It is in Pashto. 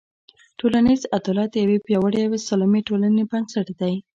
ټولنیز عدالت د یوې پیاوړې او سالمې ټولنې بنسټ دی.